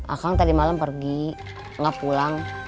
akang tadi malem pergi gak pulang